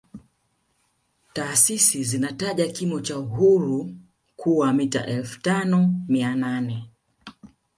Taasisi zinataja kimo cha Uhuru kuwa mita elfu tano mia nane